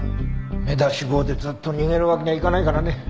目出し帽でずっと逃げるわけにはいかないからね。